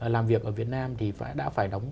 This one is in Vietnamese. làm việc ở việt nam thì đã phải đóng